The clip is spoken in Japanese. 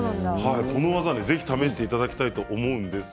この技ぜひ試していただきたいと思います。